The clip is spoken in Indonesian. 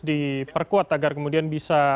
diperkuat agar kemudian bisa